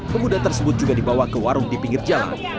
pemuda tersebut juga dibawa ke warung di pinggir jalan